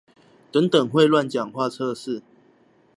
等等會亂講話測試